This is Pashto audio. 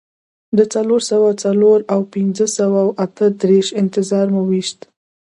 د څلور سوه څلور او پنځه سوه اته دیرشو انتظار مو وېست.